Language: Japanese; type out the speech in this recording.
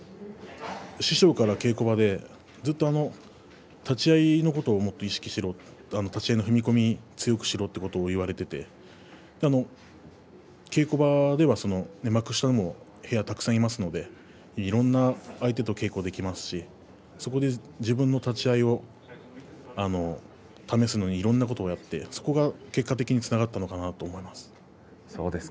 師匠から稽古場でずっと立ち合いのことをもっと意識しろ立ち合いの踏み込みを強くしろと言われていて稽古場では幕下も部屋にたくさんいますのでいろいろな相手と稽古できますしそこで自分の立ち合いを試すのにいろいろなことをやってそこが結果的につながったのかなと思います。